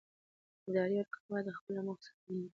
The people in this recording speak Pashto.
اداري ارګان باید خپله موخه څرګنده کړي.